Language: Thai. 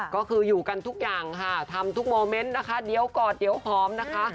ก็คืออยู่กันทุกอย่างค่ะทำทุกโมเมนต์นะคะเดี๋ยวกอดเดี๋ยวหอมนะคะ